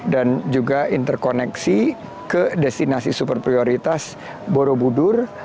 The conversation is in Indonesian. dan juga interkoneksi ke destinasi super prioritas borobudur